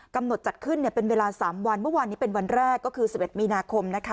กำหนดจัดขึ้นเนี่ยเป็นเวลาสามวันเมื่อวานนี้เป็นวันแรกก็คือสิบเอ็ดมีนาคมนะคะ